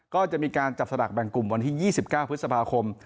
ก็จะมีการจับสลากแบ่งกลุ่มวันที่๒๙พฤษภาคม